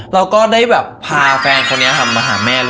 เราก็ได้แบบพาแฟนคนนี้มาหาแม่เลย